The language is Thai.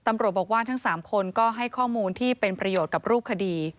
ตำรวจบอกว่าทั้ง๓คนก็ให้ข้อมูลที่เป็นประโยชน์กับรูปคดี